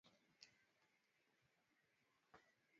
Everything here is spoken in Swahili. kati ya mwezi Januari hadi mwezi Machi katika mbuga ya Serengeti